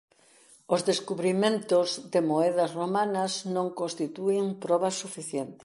Os descubrimentos de moedas romanas non constitúen probas suficientes.